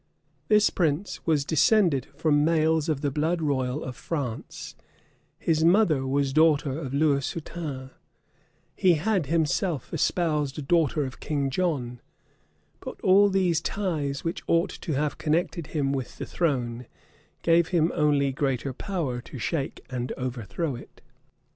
This prince was descended from males of the blood royal of France; his mother was daughter of Lewis Hutin; he had himself espoused a daughter of King John: but all these ties, which ought to have connected him with the throne, gave him only greater power to shake and overthrow it.